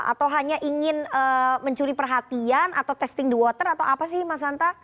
atau hanya ingin mencuri perhatian atau testing the water atau apa sih mas hanta